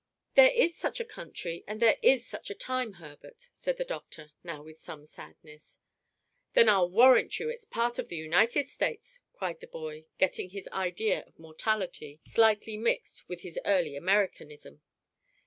"There is such a country and there is such a time, Herbert," said the doctor, now with some sadness. "Then I'll warrant you it's part of the United States," cried the boy, getting his idea of mortality slightly mixed with his early Americanism.